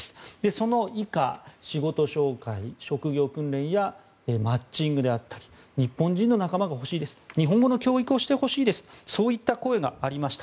その以下仕事紹介、職業訓練やマッチングであったり日本人の仲間が欲しいです日本の教育をしてほしいそういった声がありました。